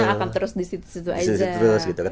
akan terus disitu situ aja